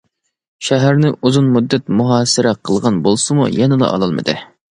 شەھەرنى ئۇزۇن مۇددەت مۇھاسىرە قىلغان بولسىمۇ يەنىلا ئالالمىدى.